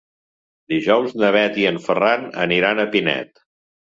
Dijous na Bet i en Ferran aniran a Pinet.